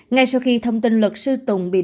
ngay sau khi thông tin luật sư tùng bị